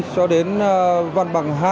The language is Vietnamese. cho đến văn bằng hai